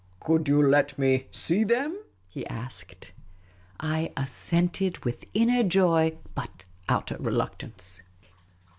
" Could you let me see them ?" he asked. I assented, with inner joy, but outer reluctance.